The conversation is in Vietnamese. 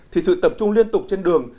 thì sự tập trung liên tục trên đường